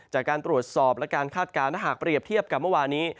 จากการตรวจสอบและการคาดการณ์ถ้าหากเปรียบเทียบกับเมื่อวานี้